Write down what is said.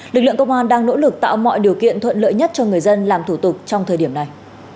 lực lượng công an đang nỗ lực tạo mọi điều kiện thuận lợi nhất cho người dân làm thủ tục trong thời điểm này